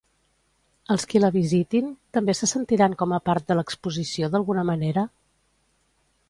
Els qui la visitin, també se sentiran com a part de l'exposició d'alguna manera?